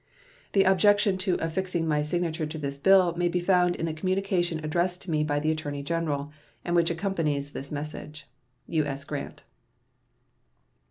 The objection to affixing my signature to this bill may be found in the communication addressed to me by the Attorney General, and which accompanies this message. U.S. GRANT.